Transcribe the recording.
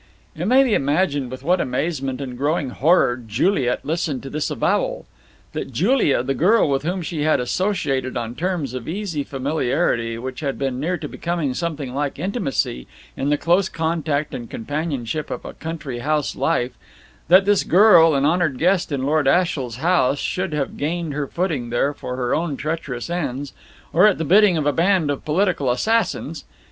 It may be imagined with what amazement and growing horror Juliet listened to this avowal. That Julia, the girl with whom she had associated on terms of easy familiarity which had been near to becoming something like intimacy in the close contact and companionship of a country house life, that this girl, an honoured guest in Lord Ashiel's house, should have gained her footing there for her own treacherous ends, or at the bidding of a band of political assassins!